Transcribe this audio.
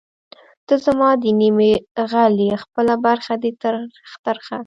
ته زما د نیمې غل ئې خپله برخه دی تر ترخه